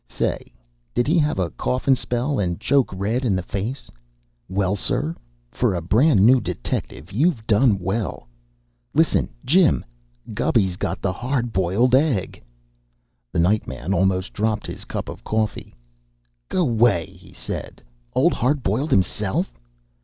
Say, did he have a coughin' spell and choke red in the face? Well, sir, for a brand new detective, you've done well. Listen, Jim: Gubby's got the Hard Boiled Egg!" The night man almost dropped his cup of coffee. "Go 'way!" he said. "Old Hard Boiled? Himself?"